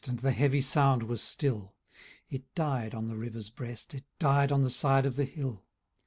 And the heavy sound was still ; It died on the river's breast, It died on the side of the hill.